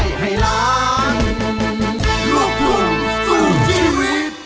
อีกแล้ว